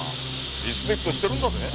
リスペクトしてるんだぜ。